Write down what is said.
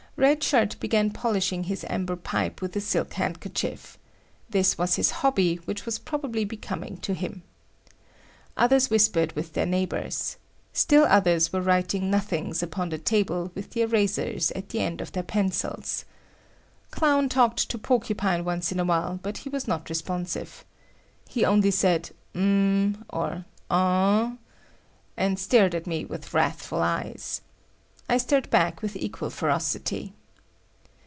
Red Shirt began polishing his amber pipe with a silk handkerchief. This was his hobby, which was probably becoming to him. Others whispered with their neighbors. Still others were writing nothings upon the table with the erasers at the end of their pencils. Clown talked to Porcupine once in a while, but he was not responsive. He only said "Umh" or "Ahm," and stared at me with wrathful eyes. I stared back with equal ferocity.